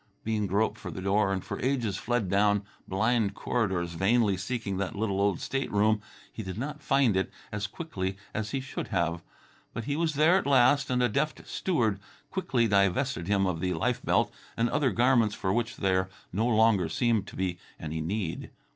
Bean groped for the door and for ages fled down blind corridors, vainly seeking that little old stateroom. He did not find it as quickly as he should have; but he was there at last, and a deft steward quickly divested him of the life belt and other garments for which there no longer seemed to be any need.